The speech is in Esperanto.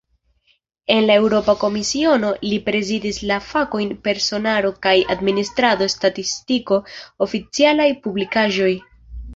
En la Eŭropa Komisiono, li prezidis la fakojn "personaro kaj administrado, statistiko, oficialaj publikaĵoj".